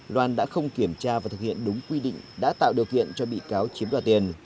loan đã không kiểm tra và thực hiện đúng quy định đã tạo điều kiện cho bị cáo chiếm đoạt tiền